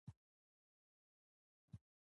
دا ناروغي ډېره خطرناکه وه.